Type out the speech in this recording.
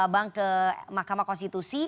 bang ke mahkamah konstitusi